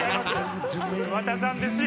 桑田さんですよ。